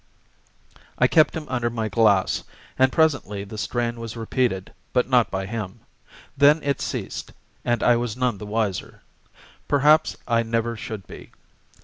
I kept him under my glass, and presently the strain was repeated, but not by him. Then it ceased, and I was none the wiser. Perhaps I never should be.